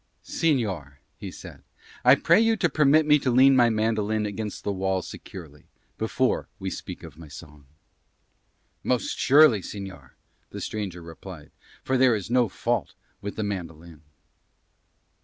"Señor," he said, "I pray you to permit me to lean my mandolin against the wall securely before we speak of my song." "Most surely, señor," the stranger replied, "for there is no fault with the mandolin."